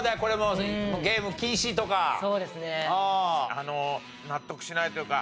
あの納得しないというか。